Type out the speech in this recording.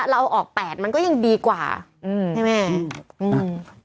แต่เราเอาออก๘มันก็ยังดีกว่ามั้ย